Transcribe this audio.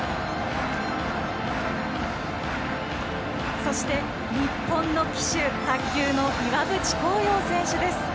そして、日本の旗手卓球の岩渕幸洋選手です。